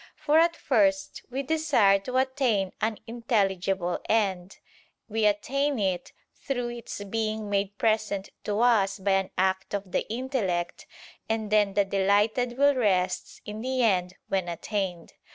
For at first we desire to attain an intelligible end; we attain it, through its being made present to us by an act of the intellect; and then the delighted will rests in the end when attained.